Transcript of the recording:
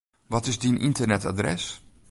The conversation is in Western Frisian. Wat is dyn ynternetadres?